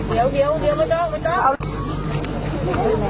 แม่ขอบคุณมากแม่ขอบคุณมากแม่ขอบคุณมาก